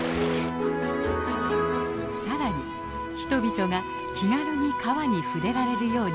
さらに人々が気軽に川に触れられるようにしました。